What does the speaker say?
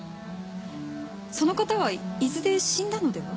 その方は伊豆で死んだのでは？